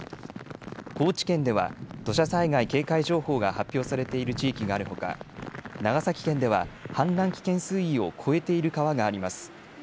高知県では土砂災害警戒情報が発表されている地域があるほか長崎県では氾濫危険水位を超えている川があります。